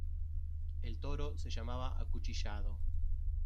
El toro se llamaba Acuchillado.